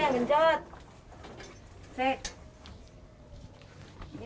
ini kan agak lebar ini ya